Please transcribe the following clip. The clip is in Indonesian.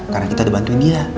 karena kita udah bantuin dia